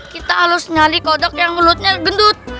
kita harus nyari kodok yang mulutnya gendut